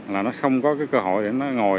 là nó không có cơ hội để nó ngồi